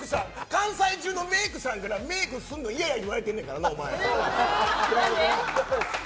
関西中のメイクさんからメイクするの嫌や言われてるからな、お前。